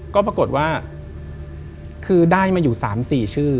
ก็ปรากฏว่าคือได้มาอยู่๓๔ชื่อ